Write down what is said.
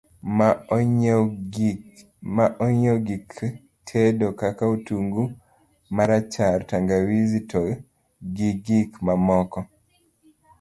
ma onyiew gik tedo kaka otungu marachar, tangawizi to gi gik mamoko